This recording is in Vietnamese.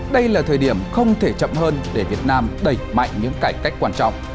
đây là thời điểm không thể chậm hơn để việt nam đẩy mạnh những cải cách quan trọng